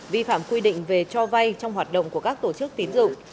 vi phạm quy định về cho vay trong hoạt động của các tổ chức tín dụng